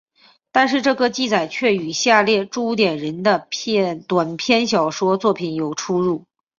但这个记载却与下列朱点人的短篇小说作品有出入。